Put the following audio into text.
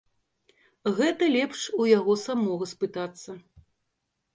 Гэта лепш у яго самога спытацца.